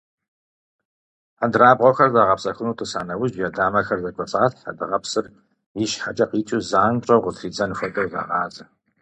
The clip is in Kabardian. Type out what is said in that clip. Хьэндырабгъуэхэр загъэпсэхуну тӀыса нэужь, я дамэхэр зэкӀуэцӀалъхьэ дыгъэпсыр ищхьэкӀэ къикӀыу занщӀэу къатридзэн хуэдэу, загъазэ.